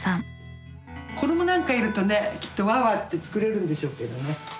子どもなんかいるとねきっとワーワーって作れるんでしょうけどね。